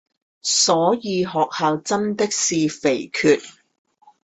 所以學校真的是肥缺